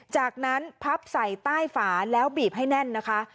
จากนั้นพับใส่ใต้ฝาแล้วบีบให้แน่นนะคะ